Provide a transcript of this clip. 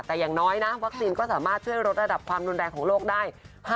แต่อย่างน้อยนะวัคซีนก็สามารถช่วยลดระดับความรุนแรงของโลกได้